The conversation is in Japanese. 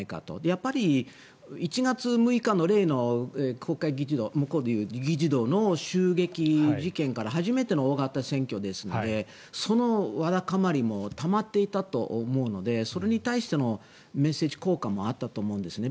やっぱり１月６日の例の国会議事堂向こうでいう議事堂の襲撃事件から初めての大型選挙ですのでそのわだかまりもたまっていたと思うのでそれに対してのメッセージ効果もあったと思うんですね。